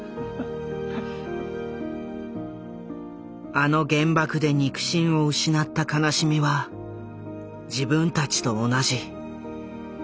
あの原爆で肉親を失った悲しみは自分たちと同じ。